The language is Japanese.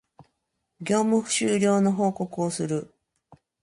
業務終了の報告をする